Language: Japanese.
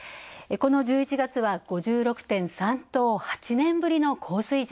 この１１月は５６．３と、８年ぶりの高水準。